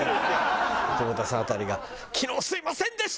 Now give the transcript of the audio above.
久保田さん辺りが「昨日すみませんでした！」